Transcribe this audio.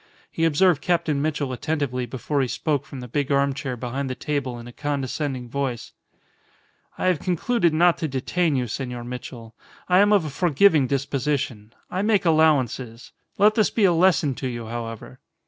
He observed Captain Mitchell attentively before he spoke from the big armchair behind the table in a condescending voice "I have concluded not to detain you, Senor Mitchell. I am of a forgiving disposition. I make allowances. Let this be a lesson to you, however."